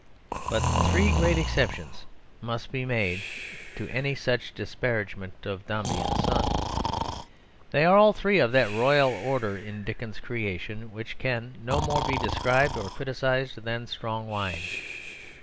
But three great exceptions must be made to any such disparagement of Dombey and Son. They are all three of that royal order in Dickens's creation which can no more be described or criticised than strong wine.